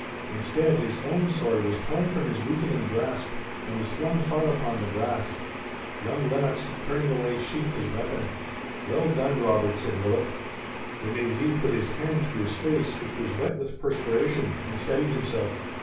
Instead his own sword was torn from his weakening grasp, and was flung far upon the grass. Young Lennox, turning away, sheathed his weapon. "Well done, Robert!" said Willet. De Mézy put his hand to his face, which was wet with perspiration, and steadied himself.